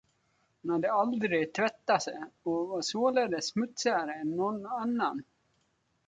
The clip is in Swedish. Men han hade aldrig tvättat sig och var således smutsigare än någon annan.